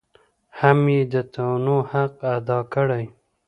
هم یې د تنوع حق ادا کړی.